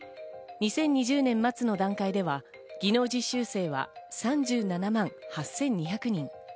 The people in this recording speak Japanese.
２０２０年末の段階では技能実習生は３７万８２００人。